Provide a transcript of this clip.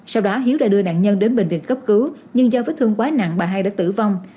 sau đó hiếu đã đưa nạn nhân đến bệnh viện cấp cứu nhưng do vết thương quá nặng bà hai đã tử vong